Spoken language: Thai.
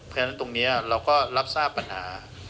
เพราะฉะนั้นตรงนี้เราก็รับทราบปัญหา